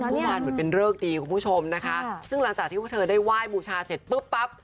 วันเป็นเริกดีคุณผู้ชมนะคะซึ่งหลังจากที่เธอได้ไหว้บูชาเสร็จปุ๊บปั๊บ